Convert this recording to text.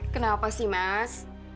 kenapa sih mas